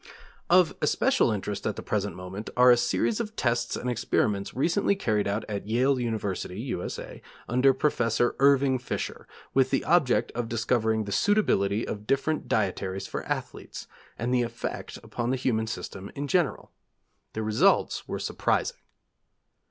Of especial interest at the present moment are a series of tests and experiments recently carried out at Yale University, U.S.A., under Professor Irving Fisher, with the object of discovering the suitability of different dietaries for athletes, and the effect upon the human system in general. The results were surprising.